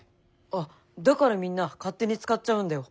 あっだからみんな勝手に使っちゃうんだよ。